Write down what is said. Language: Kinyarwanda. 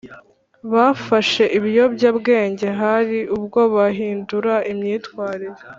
bafashe ibiyobyabwenge hari ubwo bahindura imyitwarire